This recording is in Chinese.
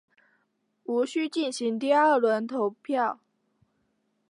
无须进行第二轮投票。